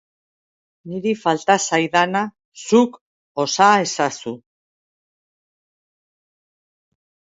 Niri falta zaidana zuk osa ezazu.